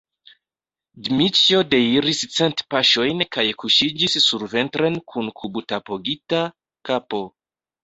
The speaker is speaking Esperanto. Dmiĉjo deiris cent paŝojn kaj kuŝiĝis surventren kun kubutapogita kapo.